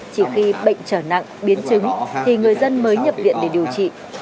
chỉ khi bệnh trở nặng biến chứng thì người dân mới nhập viện để điều trị